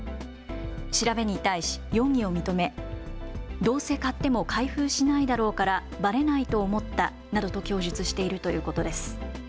調べに対し容疑を認めどうせ買っても開封しないだろうからばれないと思ったなどと供述しているということです。